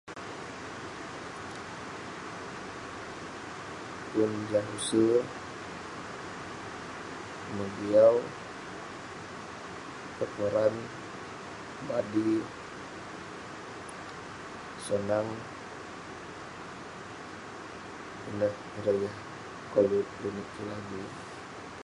Pun jah use, ame' Giau. [unintelligible] Ineh ireh yah koluk [unintelligible] amik.